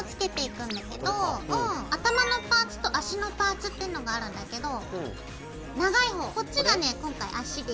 頭のパーツと足のパーツっていうのがあるんだけど長い方こっちがね今回足で。